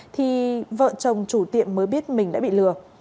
thì vợ chồng chủ tiệm mới biết mình đã bị lừa